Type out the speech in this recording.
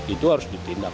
itu harus ditindak